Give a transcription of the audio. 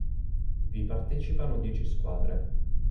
Vi partecipano dieci squadre.